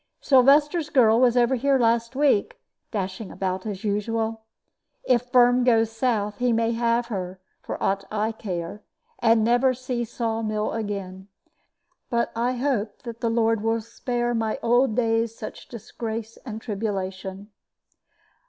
Sylvester's girl was over here last week, dashing about as usual. If Firm goes South, he may have her, for aught I care, and never see saw mill again. But I hope that the Lord will spare my old days such disgrace and tribulation.